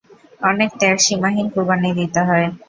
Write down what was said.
অনেক ত্যাগ, সীমাহীন কুরবানী দিতে হয়।